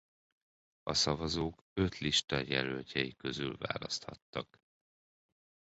A szavazók öt lista jelöltjei közül választhattak.